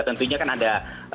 tentunya kan ada